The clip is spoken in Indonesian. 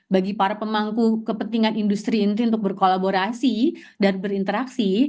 bagi para pemangku kepentingan industri ini untuk berkolaborasi dan berinteraksi